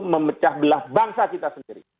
memecah belah bangsa kita sendiri